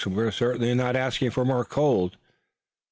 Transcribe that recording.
We're certainly not asking for more cold."